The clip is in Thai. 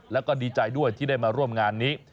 แล้วก็ดีใจด้วยที่ได้มาร่วมงานนี้